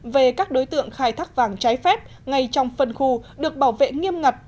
về các đối tượng khai thác vàng trái phép ngay trong phân khu được bảo vệ nghiêm ngặt